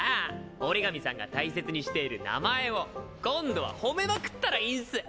折紙さんが大切にしている名前を今度はホメまくったらいいんス！